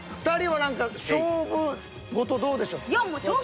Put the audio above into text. ２人は何か勝負事どうでしょう？